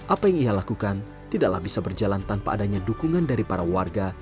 apa yang ia lakukan tidaklah bisa berjalan tanpa adanya dukungan dari para warga